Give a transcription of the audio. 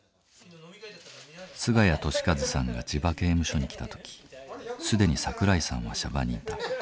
菅家利和さんが千葉刑務所に来た時既に桜井さんは娑婆にいた。